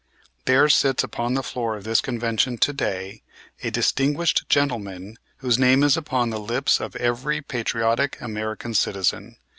"There sits upon the floor of this convention to day a distinguished gentleman whose name is upon the lips of every patriotic American citizen.